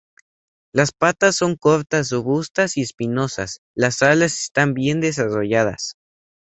Las patas son cortas, robustas y espinosas; las alas están bien desarrolladas.